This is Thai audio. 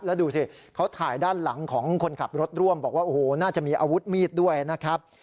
แล้วดูสิเขาถ่ายด้านหลังของคนขับรถร่วมบอกว่าโอ้โหน่าจะมีอาวุธมีดด้วยนะครับ